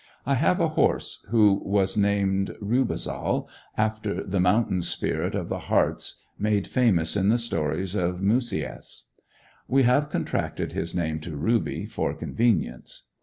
I have a horse, who was named Rubezahl, after the mountain spirit of the Harz made famous in the stories of Musaeus. We have contracted his name to Ruby for convenience.